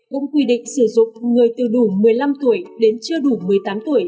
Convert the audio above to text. cũng quy định sử dụng người từ đủ một mươi năm tuổi đến chưa đủ một mươi tám tuổi